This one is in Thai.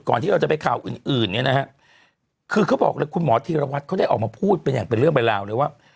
ก่อนที่เราจะไปข่าวอื่นคือเขาบอกคุณหมอธีรวัตรเขาได้ออกมาพูดเป็นอย่างเป็นเรื่องไปราวเลยว่า